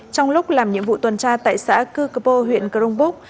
trong lúc làm nhiệm vụ tuần tra tại xã cư cơ bô huyện crong bốc